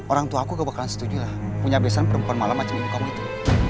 orangtuaku gak bakalan setuju lah punya bebasan perempuan malam macam ini kamu itu